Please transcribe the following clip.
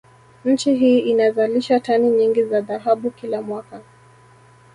Nchi hii inazalisha tani nyingi za dhahabu kila mwaka